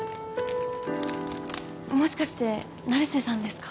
もしかして成瀬さんですか？